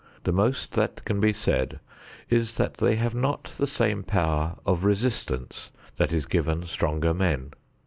The most that can be said is that they have not the same power of resistance that is given stronger men.